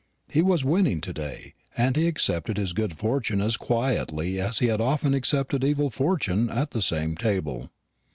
He was winning to day, and he accepted his good fortune as quietly as he had often accepted evil fortune at the same table.